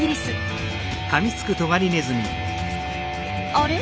あれ？